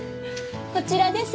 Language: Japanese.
こちらです。